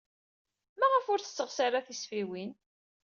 Maɣef ur tesseɣsi ara tisfiwin?